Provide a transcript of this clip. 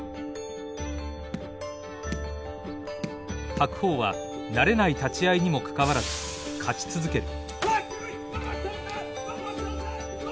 白鵬は慣れない立ち合いにもかかわらず勝ち続ける。